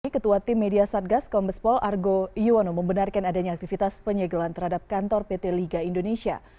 ketua tim media satgas kombespol argo iwono membenarkan adanya aktivitas penyegelan terhadap kantor pt liga indonesia